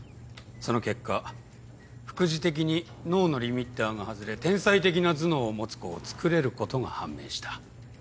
その結果副次的に脳のリミッターが外れ天才的な頭脳を持つ子をつくれることが判明した。